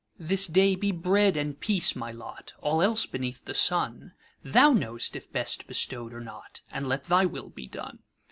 This day be bread and peace my lot:All else beneath the sunThou know'st if best bestow'd or not, And let thy will be done.